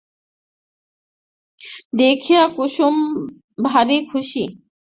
দেখিয়া কুসুম ভারি খুশি।